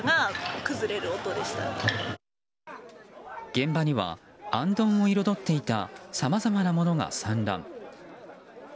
現場にはあんどんを彩っていたさまざまなものが散乱。